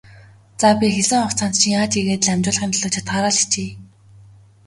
За, би хэлсэн хугацаанд чинь яаж ийгээд л амжуулахын төлөө чадахаараа л хичээе.